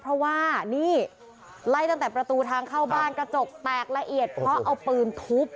เพราะว่านี่ไล่ตั้งแต่ประตูทางเข้าบ้านกระจกแตกละเอียดเพราะเอาปืนทุบ